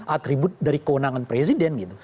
atribut dari kewenangan presiden gitu